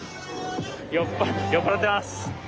よっぱ酔っ払ってます。